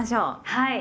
はい。